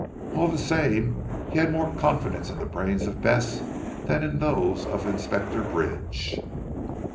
All the same he had more confidence in the brains of Bess than in those of Inspector Bridge.